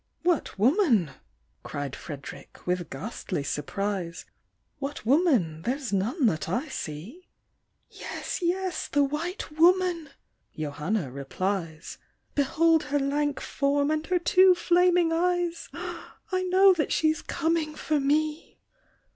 " What woman ! (cried Fred'rick, with ghastly surprise) What woman ? there's none that I see !"" Yes, yes ; the white woman ! (Johanna replies) Behold her lank form, and her two flaming eyes! 1 know that she's coming for me!